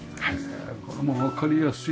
これもわかりやすいです。